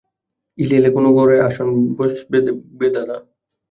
উনি এলে কোনো ঘরে বসেন দেখবে দাদা?